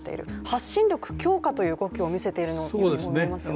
発信力強化という動きを見せているようにも思えますね。